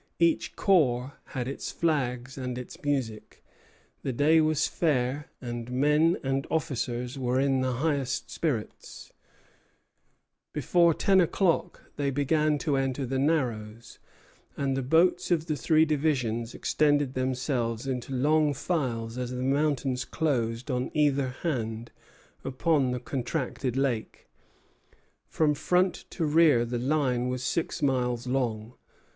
Each corps had its flags and its music. The day was fair and men and officers were in the highest spirits. Letter from Lake George, in Boston News Letter. Before ten o'clock they began to enter the Narrows; and the boats of the three divisions extended themselves into long files as the mountains closed on either hand upon the contracted lake. From front to rear the line was six miles long.